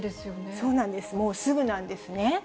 そうなんです、もうすぐなんですね。